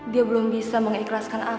dia belum bisa mengikhlaskan apa